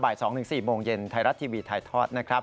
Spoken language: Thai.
๒๔โมงเย็นไทยรัฐทีวีถ่ายทอดนะครับ